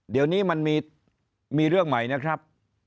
เดี๋ยวนี้มันมีเรื่องใหม่นะครับ